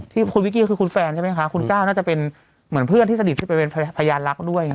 ที่คุณวิกกี้คือคุณแฟนใช่ไหมคะคุณก้าวน่าจะเป็นเหมือนเพื่อนที่สนิทที่ไปเป็นพยานรักด้วย